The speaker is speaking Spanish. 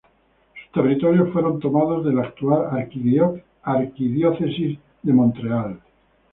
Sus territorios fueron tomados de la actual Arquidiócesis de Montreal.